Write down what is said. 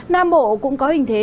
nam bộ cũng có hình thế